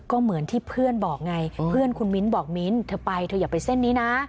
ก็เหมือนที่เพื่อนบอกไงเพื่อนคุณมิ้นบอกมิ้นเธอไปเธออย่าไปเส้นนี้นะ